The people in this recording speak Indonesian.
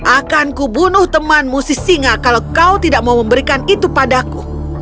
akanku bunuh temanmu si singa kalau kau tidak mau memberikan itu padaku